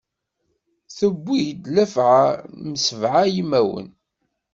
Tewwi-t llefɛa, m sebɛa yimawen.